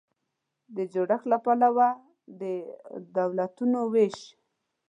د جوړښت له پلوه د دولتونو وېش